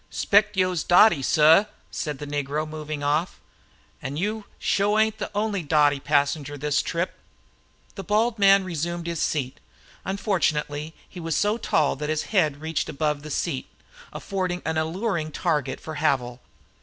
"Spect yo'se dotty, suh!" said the negro, moving off. "An' yo sho ain't the only dotty passenger this trip." The bald headed man resumed his seat. Unfortunately he was so tall that his head reached above the seat, affording a most alluring target for Havil.